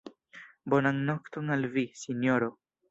Bonan nokton al vi, sinjoro.